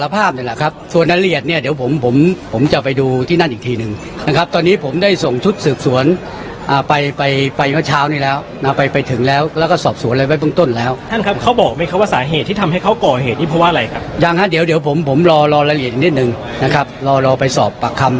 ผมรอรายละเอียดนิดหนึ่งนะครับรอรอไปสอบปากคำรายละเอียดอีกทีหนึ่งนะครับ